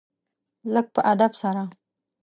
لږ په ادب سره .